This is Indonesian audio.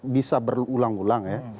bisa berulang ulang ya